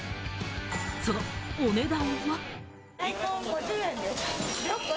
そのお値段は。